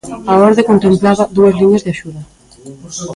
A orde contemplaba dúas liñas de axuda.